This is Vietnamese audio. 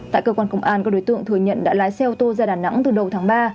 tại cơ quan công an các đối tượng thừa nhận đã lái xe ô tô ra đà nẵng từ đầu tháng ba